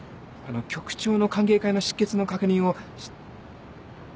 局長の歓迎会の出欠の確認を。